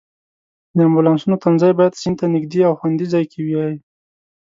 د امبولانسونو تمځای باید سیند ته نږدې او خوندي ځای کې وای.